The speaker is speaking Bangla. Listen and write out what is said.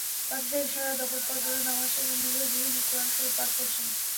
পাকিস্তানি সেনারা দেখল, ফজরের নামাজ শেষে নিরীহ গৃহিণী কোরআন শরিফ পাঠ করছেন।